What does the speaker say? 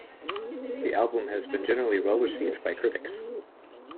The album has been generally well received by critics.